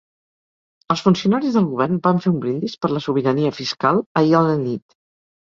Els funcionaris del govern van fer un brindis per la sobirania fiscal ahir a la nit.